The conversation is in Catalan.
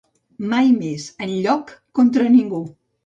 Mai més, enlloc, contra ningú.